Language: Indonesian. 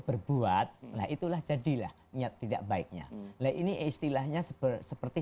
berbuat nah itulah jadilah niat tidak baiknya nah ini istilahnya seperti